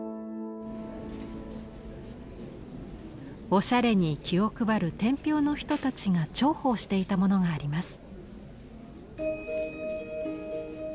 おしゃれに気を配る天平の人たちが重宝していたものがあります。